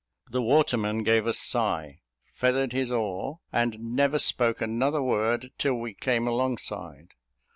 The waterman gave a sigh, feathered his oar, and never spoke another word till we came alongside.